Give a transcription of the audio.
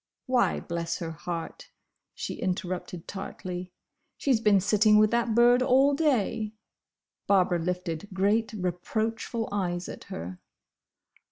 "Why, bless her heart!" she interrupted tartly, "she 's been sitting with that bird all day!" Barbara lifted great reproachful eyes at her.